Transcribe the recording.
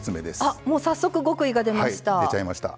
あもう早速極意が出ました。